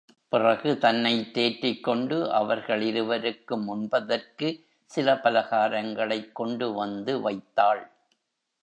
பிறகு தன்னைத் தேற்றிக்கொண்டு அவர்கள் இருவருக்கும் உண்பதற்கு சில பலகாரங்களைக் கொண்டுவந்து வைத்தாள்.